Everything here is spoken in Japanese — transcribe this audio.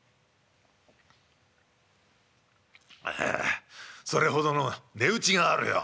「ああそれほどの値打ちがあるよ。